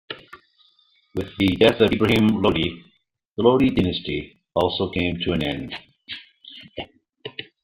With the death of Ibrahim Lodi, the Lodi dynasty also came to an end.